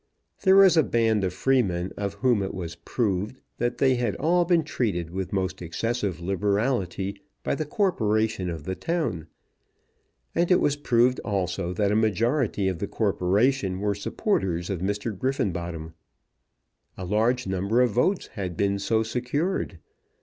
There was a band of freemen of whom it was proved that they had all been treated with most excessive liberality by the corporation of the town; and it was proved, also, that a majority of the corporation were supporters of Mr. Griffenbottom. A large number of votes had been so secured.